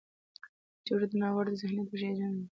جګړه د ناوړه ذهنیت زیږنده ده